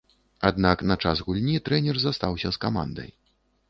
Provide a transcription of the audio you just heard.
Аднак на час гульні трэнер застаўся з камандай.